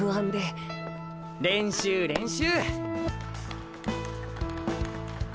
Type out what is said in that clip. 練習練習！